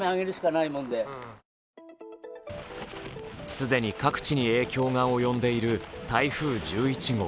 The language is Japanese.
既に各地に影響が及んでいる台風１１号。